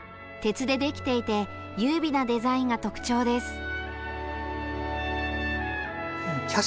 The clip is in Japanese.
鉄で出来ていて優美なデザインが特徴です。